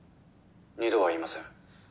２度は言いません。